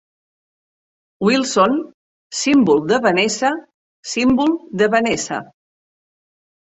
Wilson, símbol de Vanessa, símbol de Vanessa.